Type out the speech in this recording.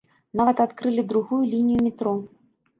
Нават адкрылі другую лінію метро.